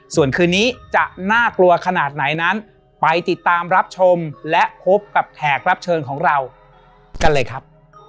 ส่วนคืนนี้จะน่ากลัวขนาดไหนนั้นไปติดตามรับชมและพบกับแขกรับเชิญของเรากันเลยครับ